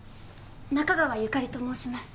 中川由加里と申します。